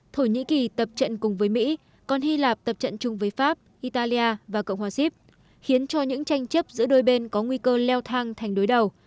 thổ nhĩ kỳ tập trận cùng với mỹ còn hy lạp tập trận chung với pháp italia và cộng hòa xíp khiến cho những tranh chấp giữa đôi bên có nguy cơ leo thang thành đối đầu